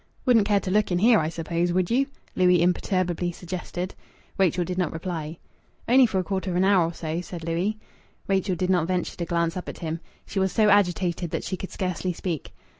"Wouldn't care to look in here, I suppose, would you?" Louis imperturbably suggested. Rachel did not reply. "Only for a quarter of an hour or so," said Louis. Rachel did not venture to glance up at him. She was so agitated that she could scarcely speak.